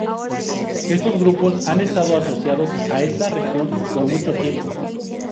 Estos grupos han estado asociados a esta región por mucho tiempo.